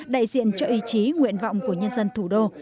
đại diện cho ý chí nguyện vọng của nhân dân thủ đô